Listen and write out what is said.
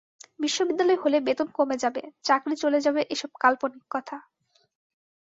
বিশ্ববিদ্যালয় হলে বেতন কমে যাবে, চাকরি চলে যাবে এসব কাল্পনিক কথা।